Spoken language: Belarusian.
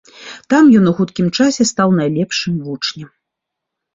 Там ён у хуткім часе стаў найлепшым вучнем.